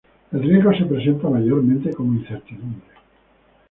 El riesgo se presenta mayormente como incertidumbre.